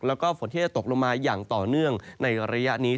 แล้วก็ฝนที่จะตกลงมาอย่างต่อเนื่องในระยะนี้